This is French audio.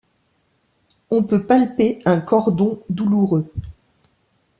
On peut palper un cordon douloureux.